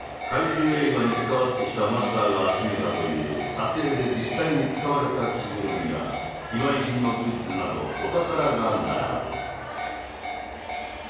怪獣映画に関わってきたマスターが集めたという撮影で実際に使われた着ぐるみや非売品のグッズなどお宝が並ぶ。